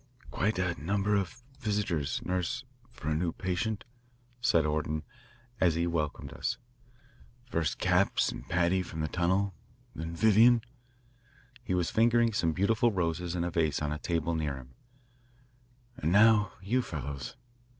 "Quite a number of visitors, nurse, for a new patient," said Orton, as he welcomed us. "First Capps and Paddy from the tunnel, then Vivian" he was fingering some beautiful roses in a vase on a table near him "and now, you fellows.